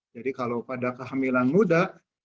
jadi kalau pada kehamilan muda